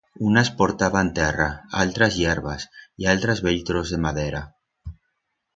Unas portaban terra, altras hierbas, altras bell troz de madera.